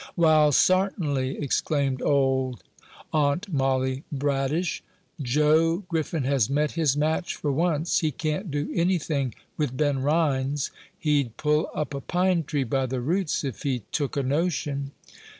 "Wal, sartainly," exclaimed old Aunt Molly Bradish, "Joe Griffin has met his match for once; he can't do anything with Ben Rhines; he'd pull up a pine tree by the roots, if he took a notion."